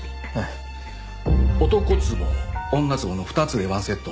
男壺女壺の２つでワンセット。